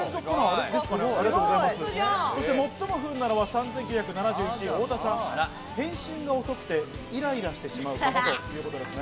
そして最も不運なのは３９７１位、太田さん、返信が遅くてイライラしてしまうということですね。